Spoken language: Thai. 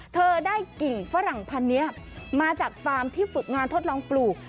เธอได้กิ่งฝรั่งพันธุ์นี้มาจากฟาร์มที่ฝึกงานทดลองปลูก